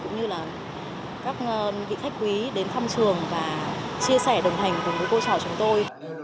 cũng như là các vị khách quý đến thăm trường và chia sẻ đồng hành cùng với cô trò chúng tôi